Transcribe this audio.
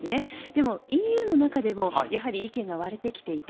でもＥＵの中でも意見が割れてきていて。